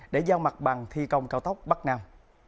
để giao mặt bằng thi công cao tốc bắc nam